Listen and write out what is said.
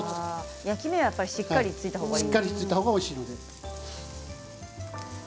焼き目がしっかりついたほうがいいです。